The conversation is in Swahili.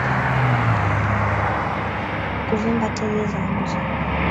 Kuvimba tezi za nje